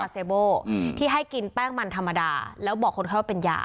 เซโบที่ให้กินแป้งมันธรรมดาแล้วบอกคนไข้ว่าเป็นยา